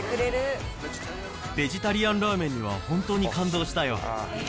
ベジタリアンラーメンには本当に感動したよ。